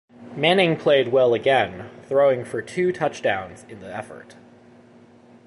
Manning played well again, throwing for two touchdowns in the effort.